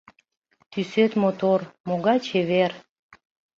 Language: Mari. Тӱсет мотор, могай чевер